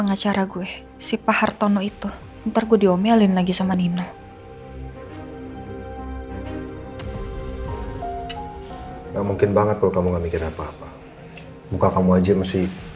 gak tau ini tiba tiba kayak inget